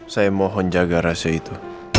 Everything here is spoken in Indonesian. saya mohon jaga rahasia itu